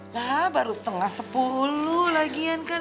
nah baru setengah sepuluh lagian kan